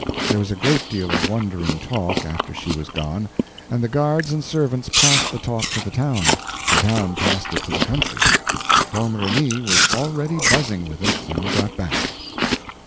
There was a great deal of wondering talk, after she was gone; and the guards and servants passed the talk to the town, the town passed it to the country; Domremy was already buzzing with it when we got back.